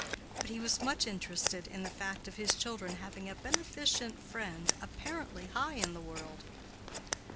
But he was much interested in the fact of his children having a beneficent friend apparently high in the world.